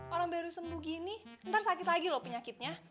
orang baru sembuh gini ntar sakit lagi loh penyakitnya